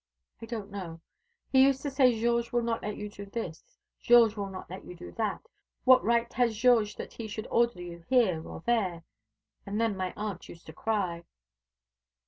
"I don't know. He used to say Georges will not let you do this; Georges will not let you do that. What right has Georges that he should order you here or there? And then my aunt used to cry."